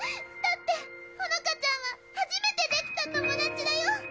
だって穂乃果ちゃんは初めてできた友達だよ。